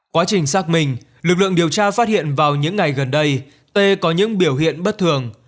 quá trình xác minh lực lượng điều tra phát hiện vào những ngày gần đây t có những biểu hiện bất thường